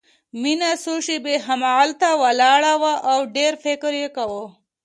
مينه څو شېبې همهغلته ولاړه وه او ډېر فکر يې کاوه.